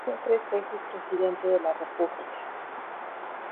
Fue tres veces Presidente de la República.